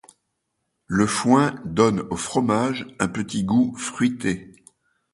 Le foin donne au fromage un petit goût fruité.